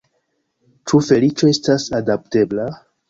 Ĉu feliĉo estas adaptebla?